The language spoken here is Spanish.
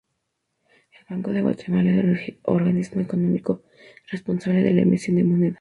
El Banco de Guatemala es el organismo económico responsable de la emisión de moneda.